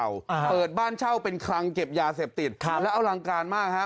อ่าเปิดบ้านเช่าเป็นคลังเก็บยาเสพติดครับแล้วอลังการมากฮะ